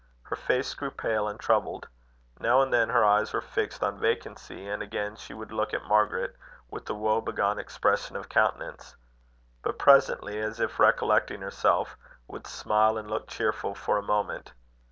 Her face grew pale and troubled. Now and then her eyes were fixed on vacancy; and again she would look at Margaret with a woebegone expression of countenance; but presently, as if recollecting herself, would smile and look cheerful for a moment.